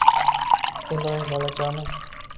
Ulg’ay, bolajonim